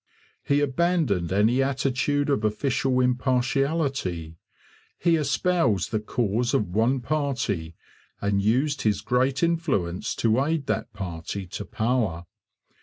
He abandoned any attitude of official impartiality. He espoused the cause of one party, and used his great influence to aid that party to power.